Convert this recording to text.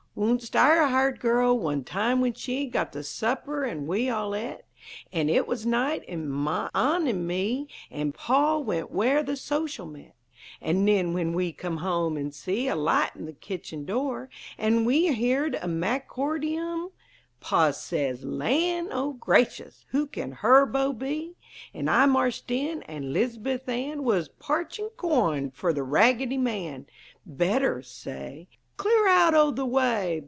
'" Wunst our hired girl, one time when she Got the supper, an' we all et, An' it was night, an' Ma an' me An' Pa went wher' the "Social" met, An' nen when we come home, an' see A light in the kitchen door, an' we Heerd a maccordeum, Pa says "Lan' O' Gracious! who can her beau be?" An' I marched in, an' 'Lizabuth Ann Wuz parchin' corn fer the Raggedy Man! Better say "Clear out o' the way!